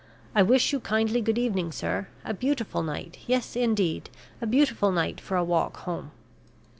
I wish you kindly good evening, sir. A beautiful night; yes, indeed, a beautiful night for a walk home."